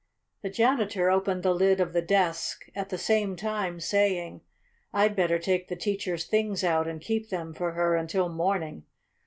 The janitor opened the lid of the desk, at the same time saying: "I'd better take the teacher's things out and keep them for her until morning.